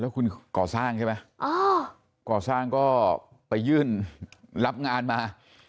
คุณก่อสร้างใช่ไหมก่อสร้างก็ไปยื่นรับงานมา